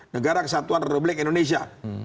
negara kesatuan reblek indonesia